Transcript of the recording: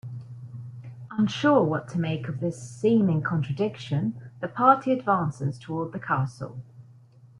Unsure what to make of this seeming contradiction, the party advances toward the castle.